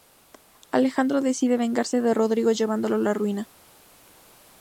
Alejandro decide vengarse de Rodrigo llevándolo a la ruina.